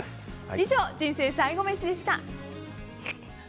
以上、人生最後メシでした。